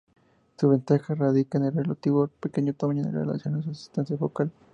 Su ventaja radica en su relativo pequeño tamaño en relación a su distancia focal.